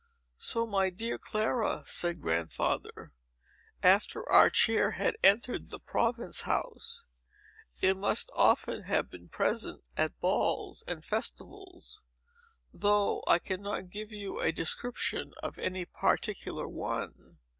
"So, my dear Clara," said Grandfather, "after our chair had entered the Province House, it must often have been present at balls and festivals, though I cannot give you a description of any particular one.